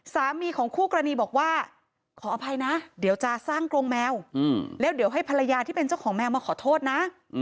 สามีของคู่กรณีบอกว่าขออภัยนะเดี๋ยวจะสร้างกรงแมวแล้วเดี๋ยวให้ภรรยาที่เป็นเจ้าของแมวมาขอโทษนะ